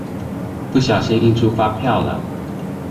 不小心印出發票了